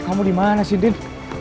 kamu dimana sih andin